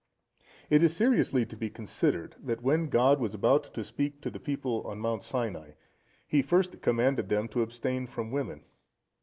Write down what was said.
It is seriously to be considered, that when God was about to speak to the people on Mount Sinai, He first commanded them to abstain from women.